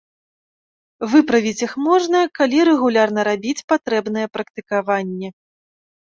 Выправіць іх можна, калі рэгулярна рабіць патрэбныя практыкаванні.